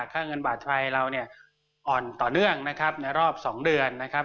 ค่าเงินบาทไทยเราเนี่ยอ่อนต่อเนื่องนะครับในรอบ๒เดือนนะครับ